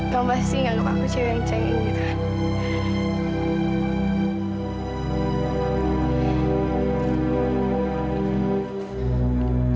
kamu pasti nganggep aku cewek yang cengeng gitu kan